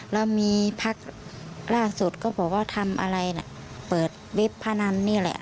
เรามีพักล่าสุดก็บอกว่าทำอะไรเปิดวิภานานนี่แหละ